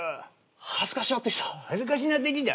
恥ずかしなってきた。